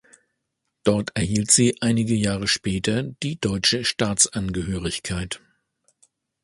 Dort erhielt sie einige Jahre später die deutsche Staatsangehörigkeit.